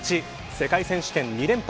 世界選手権、２連覇。